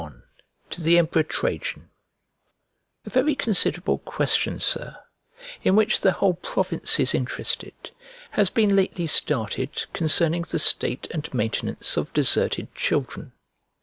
LXXI To THE EMPEROR TRAJAN A VERY considerable question, Sir, in which the whole province is interested, has been lately started, concerning the state [1049b] and maintenance of deserted children.